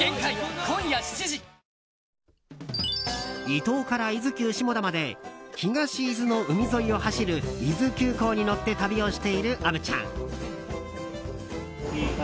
伊東から伊豆急下田まで東伊豆の海沿いを走る伊豆急行に乗って旅をしている虻ちゃん。